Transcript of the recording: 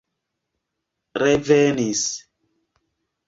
revenis